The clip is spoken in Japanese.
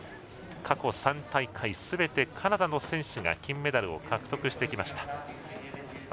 過去３大会すべてカナダの選手が金メダルを獲得してきました。